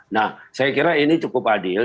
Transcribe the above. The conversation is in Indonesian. nah saya kira ini cukup adil